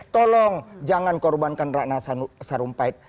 tolong jangan korbankan ratna sarumpait